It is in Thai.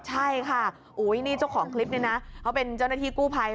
ใช่ค่ะนี่เจ้าของคลิปนี้นะเขาเป็นเจ้าหน้าที่กู้ภัย